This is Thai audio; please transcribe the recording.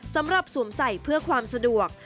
สำหรับสวมใส่เพื่อความสะดวก